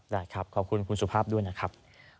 ได้ครับขอบคุณคุณสุภาพด้วยนะครับ